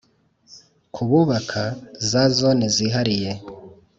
ku bubaka za Zone zihariye